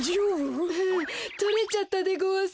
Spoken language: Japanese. ふふとれちゃったでごわす。